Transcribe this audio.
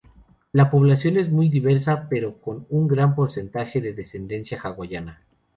La población es muy diversa, pero con un gran porcentaje de descendencia hawaiana.